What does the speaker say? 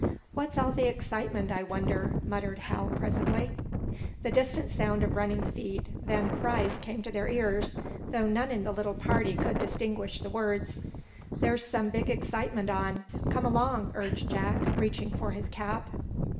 "What's all the excitement, I wonder?" muttered Hal, presently. The distant sound of running feet, then cries came to their ears, though none in the little party could distinguish the words. "There's some big excitement on. Come along," urged Jack, reaching for his cap.